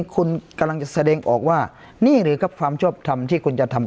คุณกำลังจะแสดงออกว่านี่หรือครับความชอบทำที่คุณจะทำ